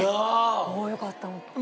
ああよかったなと。